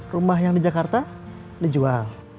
rumah yang di jakarta dijual